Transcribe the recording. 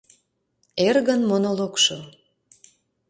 ЭРГЫН МОНОЛОГШО